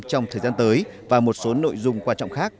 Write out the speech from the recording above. trong thời gian tới và một số nội dung quan trọng khác